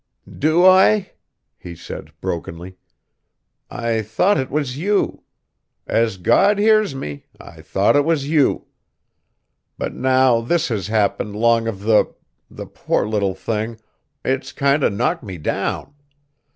"Do I?" he said brokenly; "I thought 't was you! As God hears me, I thought 't was you! But now this has happened 'long of the the poor little thing, it's kinder knocked me down.